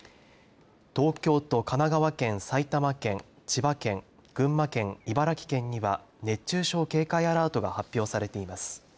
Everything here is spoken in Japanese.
東京と神奈川県、埼玉県千葉県、群馬県、茨城県には熱中症警戒アラートが発表されています。